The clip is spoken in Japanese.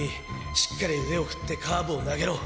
しっかり腕を振ってカーブを投げろ！